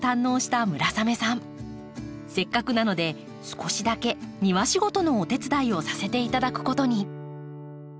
せっかくなので少しだけ庭仕事のお手伝いをさせていただくことに。